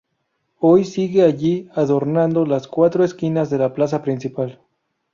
Hoy siguen allí adornando las cuatro esquinas de la plaza principal.